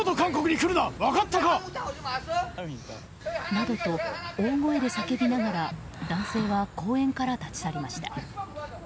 などと、大声で叫びながら男性は公園から立ち去りました。